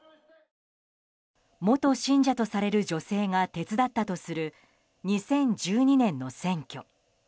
元信者とされる女性が手伝ったとする２０１２年の選挙。